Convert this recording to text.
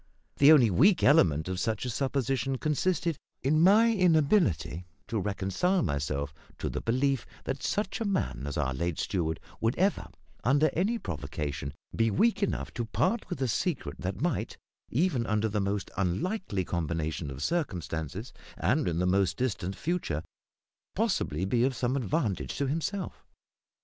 The only weak element of such a supposition consisted in my inability to reconcile myself to the belief that such a man as our late steward would ever, under any provocation, be weak enough to part with a secret that might, even under the most unlikely combination of circumstances and in the most distant future, possibly be of some advantage to himself.